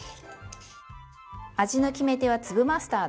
味の決め手は粒マスタード。